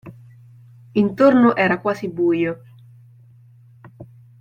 Intorno era quasi buio.